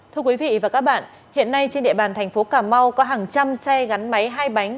thưa quý vị và các bạn hiện nay trên địa bàn thành phố cà mau có hàng trăm xe gắn máy hai bánh